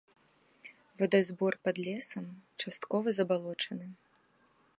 Вадазбор пад лесам, часткова забалочаны.